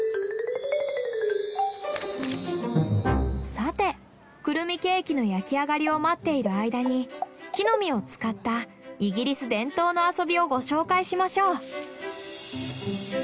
さてクルミケーキの焼き上がりを待っている間に木の実を使ったイギリス伝統の遊びをご紹介しましょう。